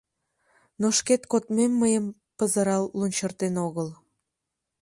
Но шкет кодмем мыйым пызырал лунчыртен огыл.